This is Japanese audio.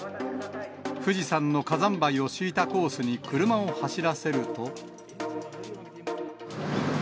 富士山の火山灰を敷いたコースに車を走らせると。